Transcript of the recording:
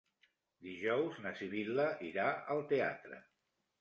Dijous na Sibil·la irà al teatre.